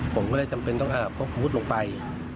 ผมก็เลยจำเป็นต้องเอาพวกมูธลงไป